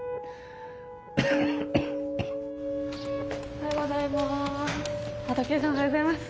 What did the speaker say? おはようございます。